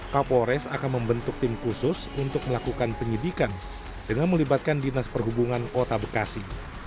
kapolres akan membentuk tim khusus untuk melakukan penyidikan dengan melibatkan dinas perhubungan kota bekasi